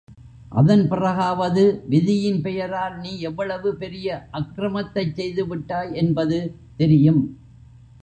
அதன் பிறகாவது விதியின் பெயரால் நீ எவ்வளவு பெரிய அக்ரமத்தைச் செய்து விட்டாய் என்பது தெரியும்.